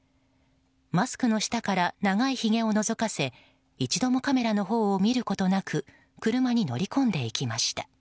マスクの下から長いひげをのぞかせ一度もカメラのほうを見ることなく車に乗り込んでいきました。